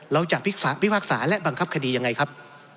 เราจะวิภาคสาและบังคับคดียังไงครับ